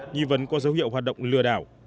nghi vấn qua dấu hiệu hoạt động lừa đảo